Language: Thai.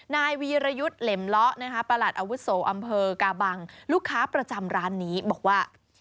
นายวีรยุทธ์เหล็มเลาะประหลัดอาวุโสอำเภอกาบังลูกค้าประจำร้านนี้บอกว่า